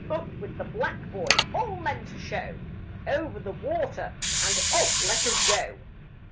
Up with the Black Boy! All men to show, Over the water And off let us go!"